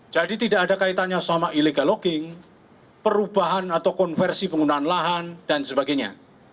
jadi tidak ada kaitannya sama illegal logging perubahan atau konversi penggunaan lahan dan sebagainya